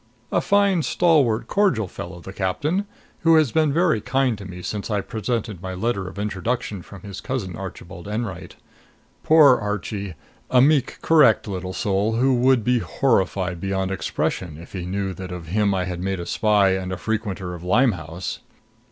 A fine, stalwart, cordial fellow the captain who has been very kind to me since I presented my letter of introduction from his cousin, Archibald Enwright. Poor Archie! A meek, correct little soul, who would be horrified beyond expression if he knew that of him I had made a spy and a frequenter of Limehouse!